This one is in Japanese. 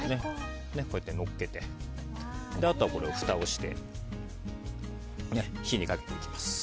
こうやってのっけたらふたをして火にかけていきます。